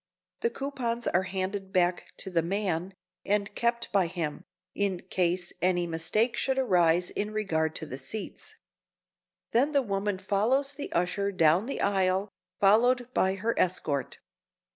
The coupons are handed back to the man, and kept by him, in case any mistake should arise in regard to the seats. Then the woman follows the usher down the aisle, followed by her escort.